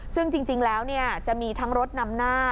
ซึ่งจริงแล้วจะมีทั้งรถนำหน้า